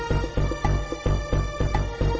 กินโทษส่องแล้วอย่างนี้ก็ได้